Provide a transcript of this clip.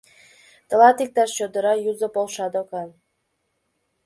— Тылат иктаж чодыра юзо полша докан.